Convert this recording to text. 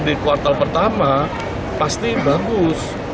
di kuartal pertama pasti bagus